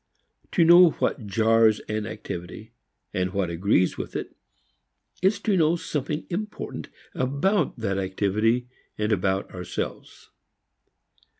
To know what jars an activity and what agrees with it is to know something important about that activity and about ourselves.